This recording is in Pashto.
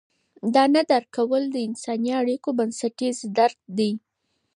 دا نه درک کول د انساني اړیکو بنسټیز درد دی.